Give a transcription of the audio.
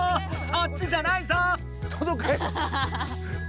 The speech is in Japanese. そっちじゃないぞ！